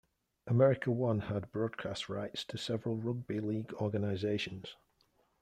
America One had broadcast rights to several rugby league organizations.